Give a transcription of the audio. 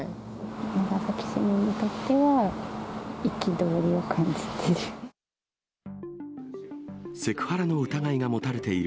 長崎市民にとっては、憤りを感じている。